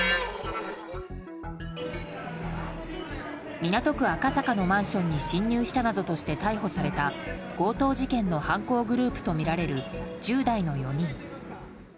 港区赤坂のマンションに侵入したなどとして逮捕された強盗事件の犯行グループとみられる１０代の４人。